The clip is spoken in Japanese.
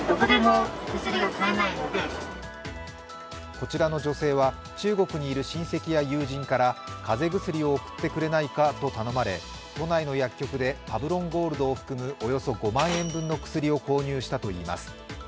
こちらの女性は、中国にいる親戚や友人から風邪薬を送ってくれないかと頼まれ、都内の薬局で、パブロンゴールドを含むおよそ５万円分の薬を購入したといいます